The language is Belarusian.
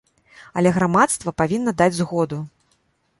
Але грамадства павінна даць згоду.